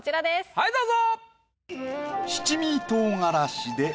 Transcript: はいどうぞ！